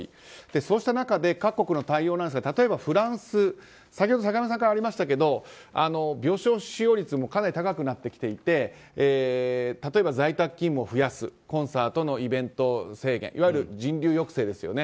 そうした中で各国の対応なんですが例えばフランス先ほど坂上さんからありましたが病床使用率もかなり高くなってきていて例えば在宅勤務を増やすコンサートなどのイベント制限いわゆる人流抑制ですよね。